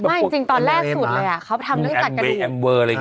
ไม่จริงตอนแรกสุดเลยเขาทำเรื่องจัดกระดูก